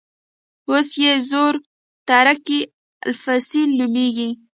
اوس یې زوې ترکي الفیصل نومېږي.